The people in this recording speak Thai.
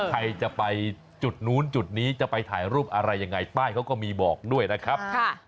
ใครจะไปจุดนู้นจุดนี้จะไปถ่ายรูปอะไรยังไงป้ายเขาก็มีบอกด้วยนะครับ